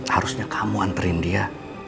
harusnya kamu anterin dia